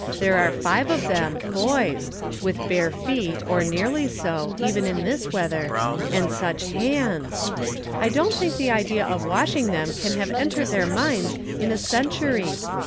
There are five of them — boys — with bare feet, or nearly so, even in this weather, and such hands ! I don't thmk the idea of wash ing them can have entered their minds in a cen I'rom Different Standpoints. 43 tury.